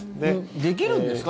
できるんですか？